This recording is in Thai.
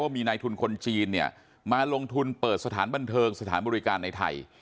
มีนายทุนคนจีนมาลงทุนเปิดสถานบันเทิงสถานบริการในไทย